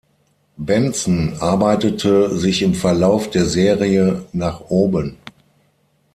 Benson arbeitete sich im Verlauf der Serie nach oben.